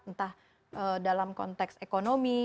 entah dalam konteks ekonomi